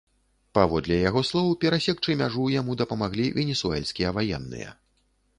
Паводле яго слоў, перасекчы мяжу яму дапамаглі венесуэльскія ваенныя.